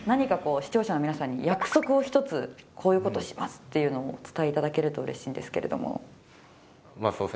視聴者の皆さんに約束を１つこういう事をしますっていうのをお伝え頂けると嬉しいんですけれども。